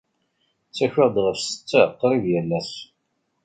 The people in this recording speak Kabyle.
Ttakiɣ-d ɣef ssetta qrib yal ass.